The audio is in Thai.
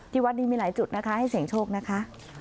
วัดนี้มีหลายจุดนะคะให้เสียงโชคนะคะ